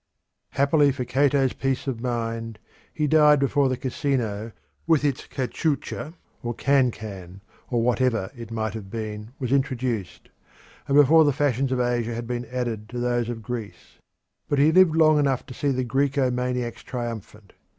Happily for Cato's peace of mind, he died before the casino with its cachucha or cancan, or whatever it might have been was introduced, and before the fashions of Asia had been added to those of Greece. But he lived long enough to see the Graeco maniacs triumphant.